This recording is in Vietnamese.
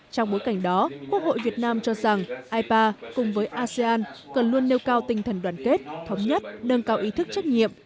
trong bối cảnh đó quốc hội việt nam cho rằng ipa cùng với asean cần luôn nêu cao tinh thần đoàn kết thống nhất nâng cao ý thức trách nhiệm